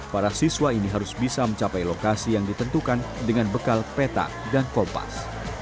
para siswa ini harus bisa mencapai lokasi yang ditentukan dengan bekal peta dan kompas